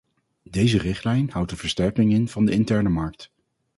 Deze richtlijn houdt een versterking in van de interne markt.